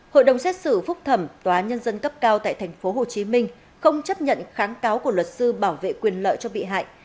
hội đồng xét xử phúc thẩm tòa nhân dân cấp cao tại tp hcm không chấp nhận kháng cáo của luật sư bảo vệ quyền lợi cho bị hại